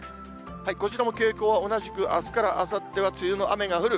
こちらも傾向は同じく、あすからあさっては梅雨の雨が降る。